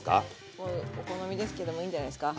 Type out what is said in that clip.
もうお好みですけどもういいんじゃないですか。